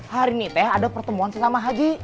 hari ini teh ada pertemuan sesama haji